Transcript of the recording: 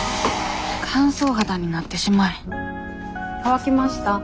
乾燥肌になってしまえ乾きました？